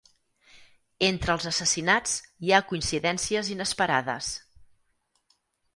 Entre els assassinats hi ha coincidències inesperades.